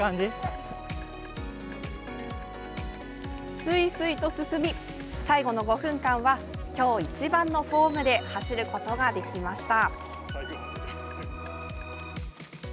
すいすいと進み最後の５分間は今日一番のフォームで走ることができました。